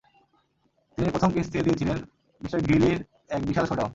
তিনি " প্রথম কিস্তি দিয়েছিলেন" মিঃ গ্রিলির এক বিশাল শোডাউন।